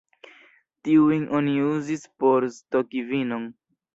Tiujn oni uzis por stoki vinon.